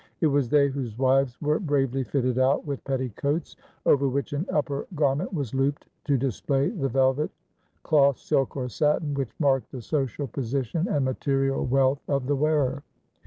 It was they whose wives were bravely fitted out with petticoats, over which an upper garment was looped to display the velvet, cloth, silk, or satin which marked the social position and material wealth of the wearer.